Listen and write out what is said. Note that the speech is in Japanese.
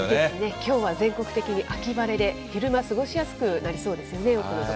きょうは全国的に秋晴れで、昼間過ごしやすくなりそうですよね。